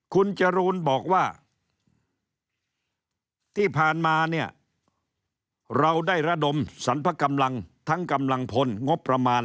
คุณจรูนบอกว่าที่ผ่านมาเนี่ยเราได้ระดมสรรพกำลังทั้งกำลังพลงบประมาณ